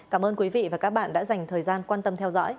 cảm ơn quý vị và các bạn đã dành thời gian quan tâm theo dõi